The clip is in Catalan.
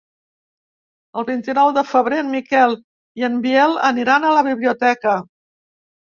El vint-i-nou de febrer en Miquel i en Biel aniran a la biblioteca.